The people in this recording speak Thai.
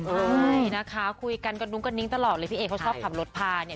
นะคะคุยกันกับนุ้งกระนิ้งตลอดเลยพี่เอเขาชอบขับรถพาเนี่ย